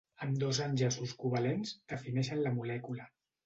Ambdós enllaços covalents defineixen la molècula.